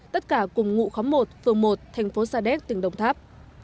tất cả cùng ngụ khóm một phường một thành phố sa đéc tỉnh đồng tháp